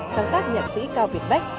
sáng tác nhạc sĩ cao việt bách